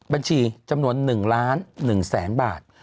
บัญชีจำนวน๑ล้าน๑แสนบาท